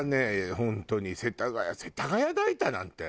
本当に世田谷世田谷代田なんて。